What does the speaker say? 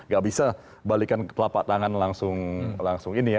gak bisa balikan kelapa tangan langsung ini ya